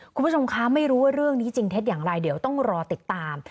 คุณผู้ชมคะไม่รู้ว่าเรื่องนี้จริงเท็จอย่างไรเดี๋ยวต้องรอติดตาม